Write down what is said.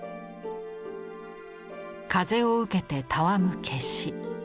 風を受けてたわむ芥子。